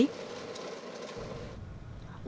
đồn biên phòng non nước